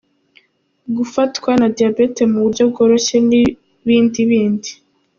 Gufatwa na diabete mu buryo bworoshye n’ibindi n’ibindi”.